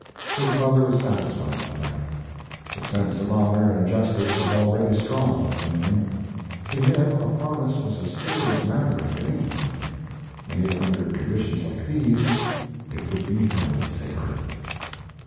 His mother was satisfied with that. The sense of honor and justice was already strong within him. To him a promise was a serious matter at any time; made under conditions like these it would be held sacred.